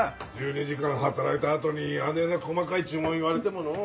１２時間働いた後にあねぇな細かい注文言われてものう。